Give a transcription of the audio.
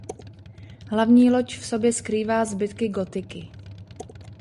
Hlavní loď v sobě skrývá zbytky gotiky.